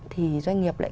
thì doanh nghiệp lại